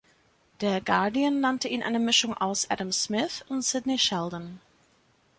Der Guardian nannte ihn eine Mischung aus Adam Smith und Sidney Sheldon.